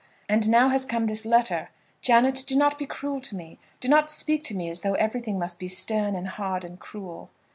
And now has come this letter. Janet, do not be cruel to me. Do not speak to me as though everything must be stern and hard and cruel."